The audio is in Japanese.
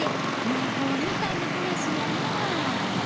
魔法みたいな話やな。